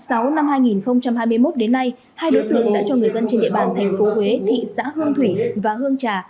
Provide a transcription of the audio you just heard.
từ tháng sáu năm hai nghìn hai mươi một đến nay hai đối tượng đã cho người dân trên địa bàn tp hcm thị xã hương thủy và hương trà